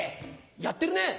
やってるね！